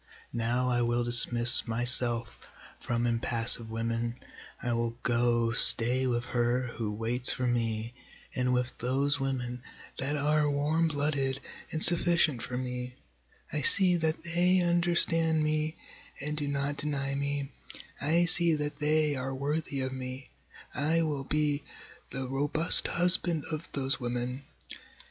Now I will dismiss myself from impassive women, I will go stay with her who waits for me, and with those women that are warm blooded and sufficient for me, I see that they understand me and do not deny me, I see that they are worthy of me, I will be the robust husband of those women.